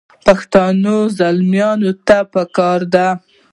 پښتنو زلمیانو ته پکار دي.